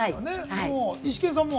イシケンさんも？